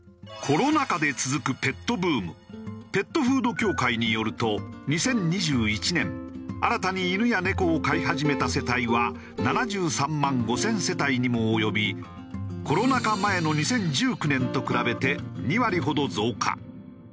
コロナ禍で続くペットフード協会によると２０２１年新たに犬や猫を飼い始めた世帯は７３万５０００世帯にも及びコロナ禍前の２０１９年と比べて２割ほど増加。